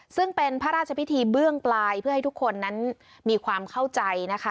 ซึ่งเป็นพระราชพิธีเบื้องปลายเพื่อให้ทุกคนนั้นมีความเข้าใจนะคะ